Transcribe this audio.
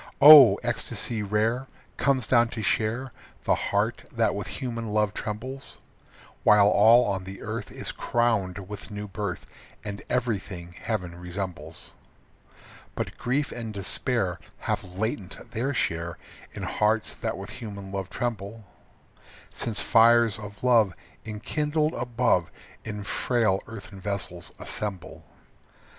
Oh! ecstasy rare Comes down to share The heart that with human love trembles; While all on the earth Is crowned with new birth And everything heaven resembles. But grief and despair Have latent their share In hearts that with human love tremble, Since fires of love Enkindled above In frail earthen vessels assemble.